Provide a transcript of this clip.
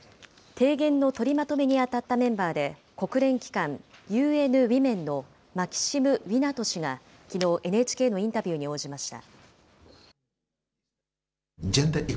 提言の取りまとめに当たったメンバーで、国連機関、ＵＮＷｏｍｅｎのマキシム・ウィナト氏がきのう、ＮＨＫのインタビューに応じました。